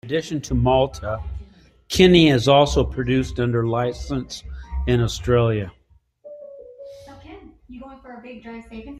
In addition to Malta, Kinnie is also produced under licence in Australia.